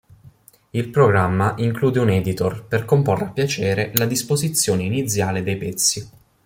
Il programma include un editor per comporre a piacere la disposizione iniziale dei pezzi.